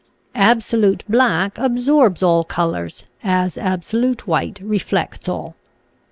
Absolute black absorbs all colors, as absolute white reflects all.